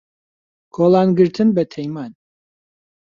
کۆڵان گرتن بە تەیمان